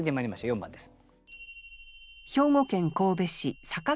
４番です。